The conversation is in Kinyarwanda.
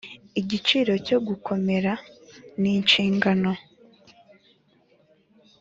igiciro cyo gukomera ninshingano